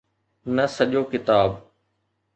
نه سڄو ڪتاب.